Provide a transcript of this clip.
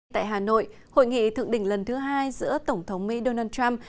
tại hà nội hội nghị thượng đỉnh lần thứ hai giữa tổng thống mỹ donald trump